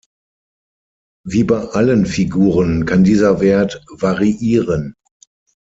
Wie bei allen Figuren kann dieser Wert variieren.